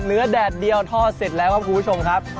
แดดเดียวทอดเสร็จแล้วครับคุณผู้ชมครับ